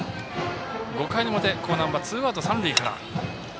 ５回の表、興南はツーアウト三塁から。